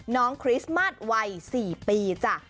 น้องคริสมาสวัย๔ปีจ้ะ